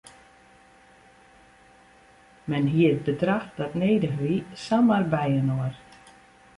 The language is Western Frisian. Men hie it bedrach dat nedich wie samar byinoar.